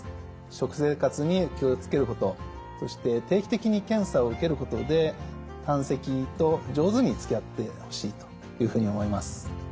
食生活に気を付けることそして定期的に検査を受けることで胆石と上手につきあってほしいというふうに思います。